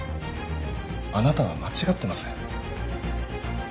あなたは間違ってます。